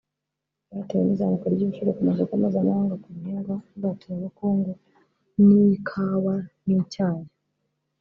byatewe n'izamuka ry'ibiciro ku masoko mpuzamahanga ku bihingwa mbaturabukungu nk'ikawa n'icyayi